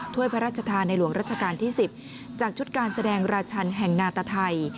ถ้วยพระราชทานในหลวงรัชกาลที่๑๐จากชุดการแสดงราชันแห่งนาตไทย